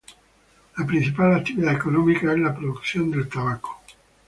La principal actividad económica es la producción de tabaco.